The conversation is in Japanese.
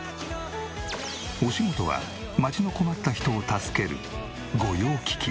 お仕事は町の困った人を助ける御用聞き。